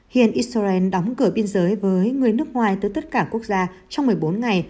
hiện israel đóng cửa biên giới với người nước ngoài tới tất cả quốc gia trong một mươi bốn ngày